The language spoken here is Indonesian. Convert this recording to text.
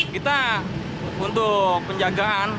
kita untuk penjagaan